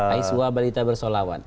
ais wa balita bersolawan